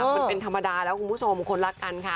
มันเป็นธรรมดาแล้วคุณผู้ชมคนรักกันค่ะ